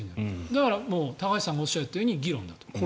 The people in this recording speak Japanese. だから高橋さんがおっしゃったとおり、議論だと。